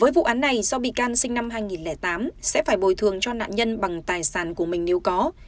với vụ án này do bị can sinh năm hai nghìn tám sẽ phải bồi thường cho nạn nhân bằng tài sản của mình nếu có